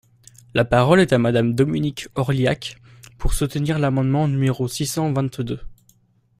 La parole est à Madame Dominique Orliac, pour soutenir l’amendement numéro six cent vingt-deux.